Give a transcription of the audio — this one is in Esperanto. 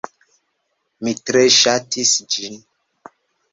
Mi tre ŝatis ĝin.